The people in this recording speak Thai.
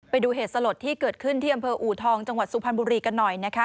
ไปดูเหตุสลดที่เกิดขึ้นที่อำเภออูทองจังหวัดสุพรรณบุรีกันหน่อยนะคะ